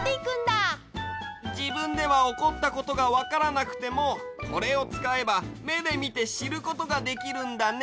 じぶんではおこったことがわからなくてもこれをつかえばめでみてしることができるんだね。